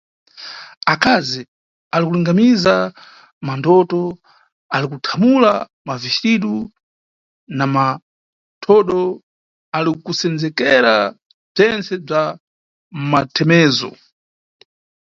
Akazi ali kulungamiza mandoto, ali kuthamula mavixitidu na mathodo, ali kukonzekera bzentse bza mathemezo.